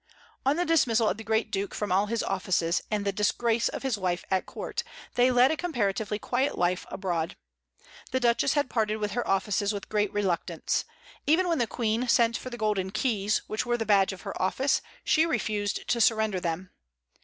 On the dismissal of the great Duke from all his offices, and the "disgrace" of his wife at court, they led a comparatively quiet life abroad. The Duchess had parted with her offices with great reluctance. Even when the Queen sent for the golden keys, which were the badge of her office, she refused to surrender them.